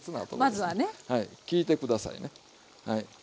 まずはね。聞いて下さいね。